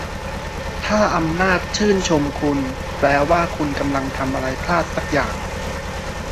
ถ้าอำนาจชื่นชมคุณ แปลว่าคุณกำลังทำอะไรพลาดสักอย่าง